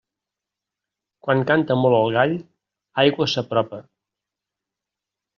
Quan canta molt el gall, aigua s'apropa.